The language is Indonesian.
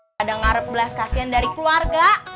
pada ngarep belas kasihan dari keluarga